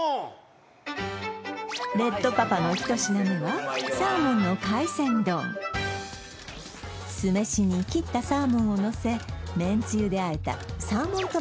レッドパパの１品目は酢飯に切ったサーモンをのせめんつゆであえたサーモントロたくを作っていく